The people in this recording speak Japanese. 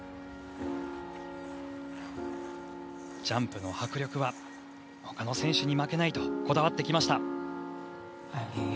ジャンプの迫力はほかの選手に負けないとこだわってきました。